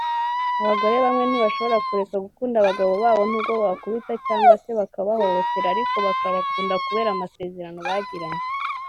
Abagore bamwe ntibashobora kureka gukunda abagabo babo nubwo babakubita cyangwa se bakabahohotera ariko bakabakunda kubera amasezerano bagiranye